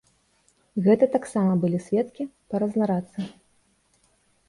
Гэта таксама былі сведкі па разнарадцы.